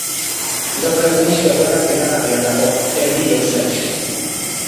Gaur egun egoera penagarrian dago, erdi jausten.